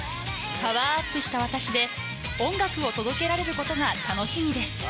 パワーアップした私で、音楽を届けられることが楽しみです。